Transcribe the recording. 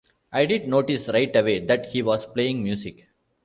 I did notice right away that he was playing music ...